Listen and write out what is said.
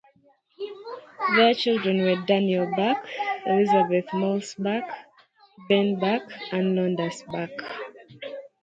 Their children were Daniel Buck, Elizabeth Morse Buck, Ben Buck and Londus Buck.